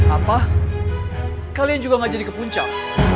apa kalian juga gak jadi kepuncak